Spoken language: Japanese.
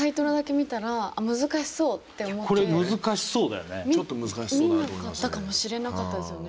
見なかったかもしれなかったですよね。